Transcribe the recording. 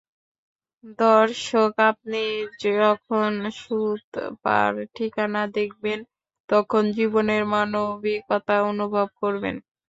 দর্শক, আপনি যখন সুতপার ঠিকানা দেখবেন, তখন জীবনের মানবিকতা অনুভব করবেন।